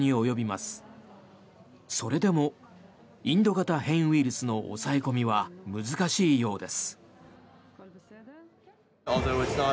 それでもインド型変異ウイルスの抑え込みは難しいようです。